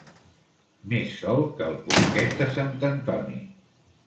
Més solt que el porquet de sant Antoni.